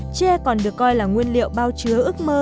tre còn được coi là nguyên liệu bao chứa ước mơ